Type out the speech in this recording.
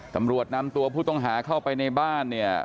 ตำรวจนำตัวผู้ต้องหาเข้าไปในบ้านเนี่ย